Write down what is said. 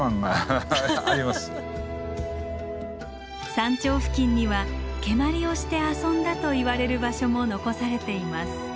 山頂付近には蹴鞠をして遊んだといわれる場所も残されています。